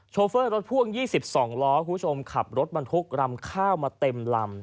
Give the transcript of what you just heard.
โฟเฟอร์รถพ่วง๒๒ล้อคุณผู้ชมขับรถบรรทุกรำข้าวมาเต็มลำ